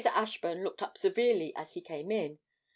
Ashburn looked up severely as he came in.